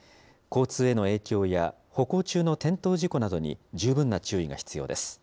交通への影響や歩行中の転倒事故などに十分な注意が必要です。